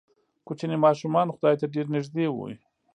کوچني ماشومان خدای ته ډېر نږدې وي.